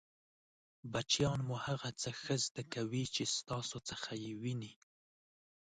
بچیان مو هغه څه ښه زده کوي چې ستاسو څخه يې ویني!